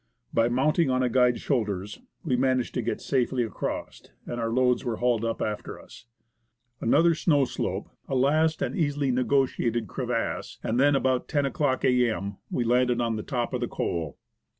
By mounting on a guide's shoulders, we managed to get safely across, and our loads were hauled up after us. Another snow slope, a last and easily negotiated crevasse, and then, at about lo o'clock a.m., we landed on the top of the col.